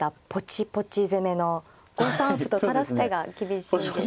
ポチポチ攻めの５三歩と垂らす手が厳しいんですか。